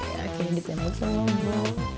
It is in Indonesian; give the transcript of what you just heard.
iya kayaknya di temen semua bro